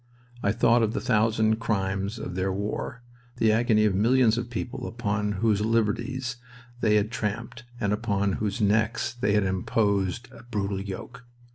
I thought of the thousand crimes of their war, the agony of millions of people upon whose liberties they had trampled and upon whose necks they had imposed a brutal yoke.